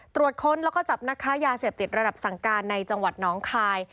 ตรวจค้นแล้วก็จับนักค้ายาเสพติดระดับสั่งการในจังหวัดน้องคาย